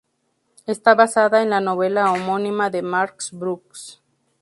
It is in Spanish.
Está basada en la novela homónima de Max Brooks.